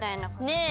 ねえ。